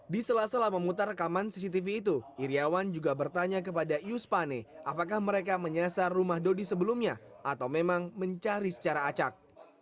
di sela sela memutar rekaman cctv itu iryawan juga bertanya kepada yus pane apakah mereka menyasar rumah dodi sebelumnya atau memang mencari secara acak